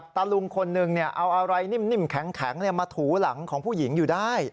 ตะลุงคนหนึ่งเอาอะไรนิ่มแข็งมาถูหลังของผู้หญิงอยู่ได้